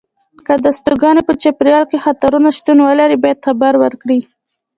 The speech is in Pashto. که د استوګنې په چاپېریال کې خطرونه شتون ولري باید خبر ورکړي.